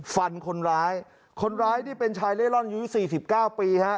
ฟันคนร้ายคนร้ายที่เป็นชายเล่นร่อนอยู่๔๙ปี